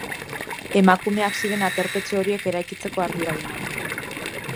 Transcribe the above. Emakumeak ziren aterpetxe horiek eraikitzeko arduradunak.